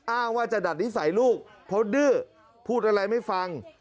อ้างว่าจะดัดนิสัยลูกเพราะดื้อพูดอะไรไม่ฟัง